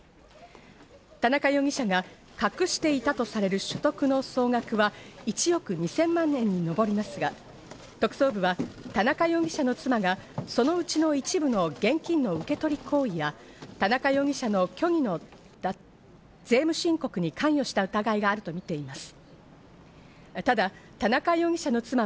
田中容疑者が隠していたとされる所得の総額は１億２０００万円にのぼりますが、特捜部は田中容疑者の妻がそのうちの一部の現金を受け取り行為や田中容疑者の虚偽の税務申告に関与した疑いがあるとみています。